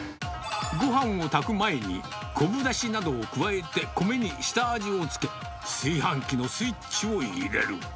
ごはんを炊く前に、昆布だしなどを加えて、米に下味を付け、炊飯器のスイッチを入れる。